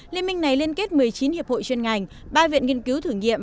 liên minh này liên kết một mươi chín hiệp hội chuyên ngành ba viện nghiên cứu thử nghiệm